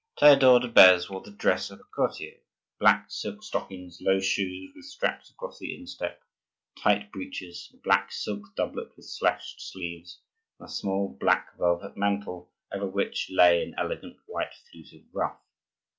Theodore de Beze wore the dress of a courtier, black silk stockings, low shoes with straps across the instep, tight breeches, a black silk doublet with slashed sleeves, and a small black velvet mantle, over which lay an elegant white fluted ruff.